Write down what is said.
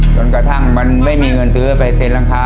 จนกระทั่งมันไม่มีเงินซื้อไปเซ็นหลังคา